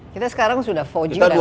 kita sekarang sudah empat g dan